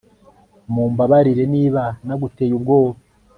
Mumbabarire niba naguteye ubwoba